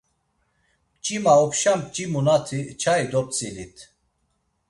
Mç̌ima opşa mç̌imunati çai dop̌tzilit.